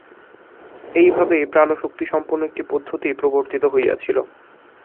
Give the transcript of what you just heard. এই ভাবেই প্রাণশক্তিসম্পন্ন একটি পদ্ধতি প্রবর্তিত হইয়াছিল।